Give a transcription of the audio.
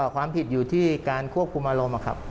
ความผิดอยู่ที่การควบคุมอารมณ์ครับ